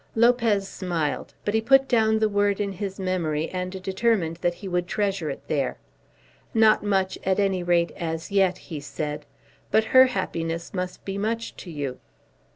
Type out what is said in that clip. Lopez smiled, but he put down the word in his memory and determined that he would treasure it there. "Not much, at any rate as yet," he said. "But her happiness must be much to you."